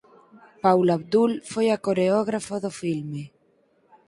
Paula Abdul foi a coreógrafa do filme.